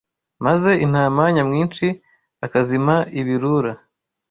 Maze intama nyamwinshi Akazima ibirura